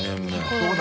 そうだ。